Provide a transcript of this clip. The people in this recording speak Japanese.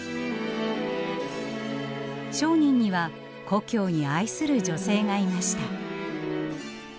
商人には故郷に愛する女性がいました。